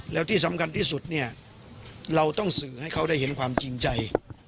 แล้วที่สำคัญที่สุดเนี่ยเราต้องสื่อให้เขาได้เห็นความจริงใจ